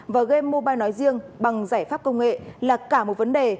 và game mobile nói riêng bằng giải pháp công nghệ là cả một vấn đề